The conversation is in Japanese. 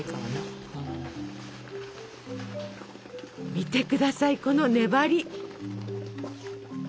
見て下さいこの粘り！